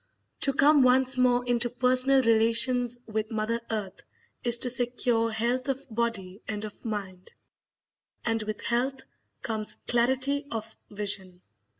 To come once more into personal relations with mother earth is to secure health of body and of mind; and with health comes clarity of vision.